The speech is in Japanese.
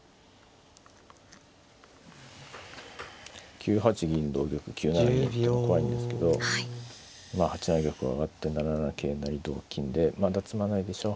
９八銀同玉９七銀っていうのは怖いんですけどまあ８七玉を上がって７七桂成同金でまだ詰まないでしょう。